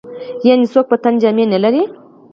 يعنې څوک په تن جامه نه لري.